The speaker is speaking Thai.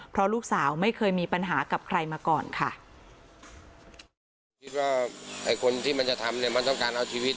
เพราะลูกสาวไม่เคยมีปัญหากับใครมาก่อนค่ะ